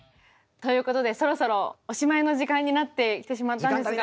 ということでそろそろおしまいの時間になってきてしまったんですが。